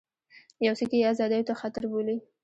یو څوک یې ازادیو ته خطر بولي.